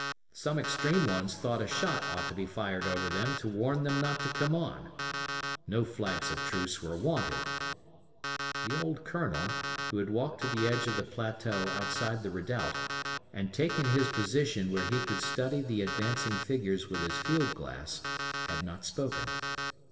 Some extreme ones thought a shot ought to be fired over them to warn them not to come on; no flags of truce were wanted. The old Colonel, who had walked to the edge of the plateau outside the redoubt and taken his position where he could study the advancing figures with his field glass, had not spoken.